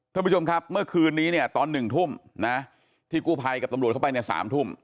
ท่านผู้ชมครับเมื่อคืนนี้เนี่ยตอน๑ทุ่มนะที่กู้ภัยกับตำรวจเข้าไปเนี่ย๓ทุ่ม